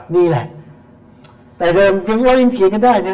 นี่แหละแต่เริ่มว่าเรียนเถียงกันได้